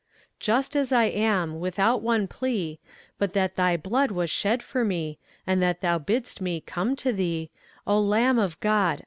Just as I am, without one plea, But that Thy blood was shed for me, And that Thou bid'st me come to Thee, O Lamb of God!